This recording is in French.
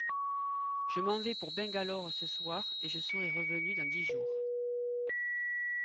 Je m’en vais pour Bangalore ce soir et je serai revenu dans dix jours.